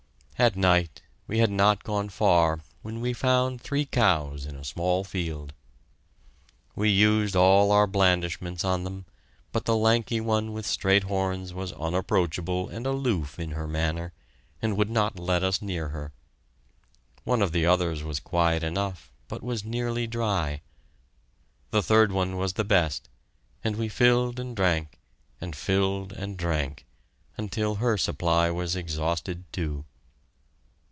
At night, we had not gone far when we found three cows in a small field. We used all our blandishments on them, but the lanky one with straight horns was unapproachable and aloof in her manner, and would not let us near her. One of the others was quiet enough, but was nearly dry. The third one was the best, and we filled and drank, and filled and drank, until her supply was exhausted too.